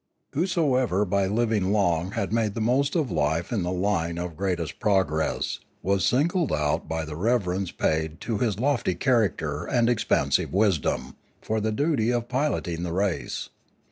Whosoever by living long had made the 5*6 Limanora most of life in the line of greatest progress was singled out by the reverence paid to his lofty character and ex pansive wisdom, for the duty of piloting the race.